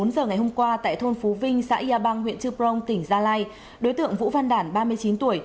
bốn giờ ngày hôm qua tại thôn phú vinh xã yà bang huyện trư prong tỉnh gia lai đối tượng vũ văn đản ba mươi chín tuổi